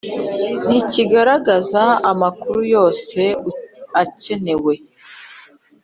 ntikigaragaza amakuru yose akenewe